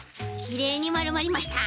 きれいにまるまりました。